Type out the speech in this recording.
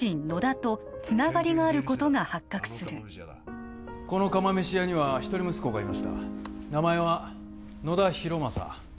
野田とつながりがあることが発覚するこの釜飯屋には一人息子がいました名前は野田浩正